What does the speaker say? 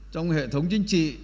trong hệ thống chính trị